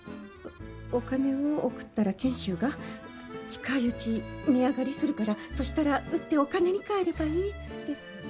お金を送ったら賢秀が「近いうち値上がりするからそしたら売ってお金に換えればいい」って。